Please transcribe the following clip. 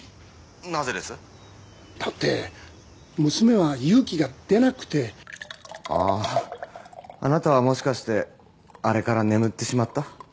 なぜです？だって娘は勇気が出なくてあああなたはもしかしてあれから眠ってしまった？